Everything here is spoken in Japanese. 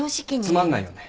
つまんないよね。